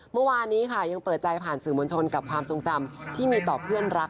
เมื่อวานนี้ค่ะยังเปิดใจผ่านสื่อมวลชนกับความทรงจำที่มีต่อเพื่อนรัก